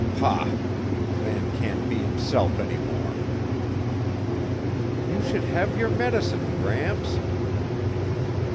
Pah! A man can't be himself any more." "You should have your medicine, Gramps."